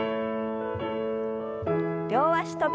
両脚跳び。